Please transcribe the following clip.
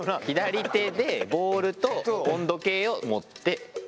左手でボウルと温度計を持って。